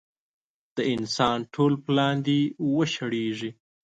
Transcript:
د انسان ټول پلان دې وشړېږي.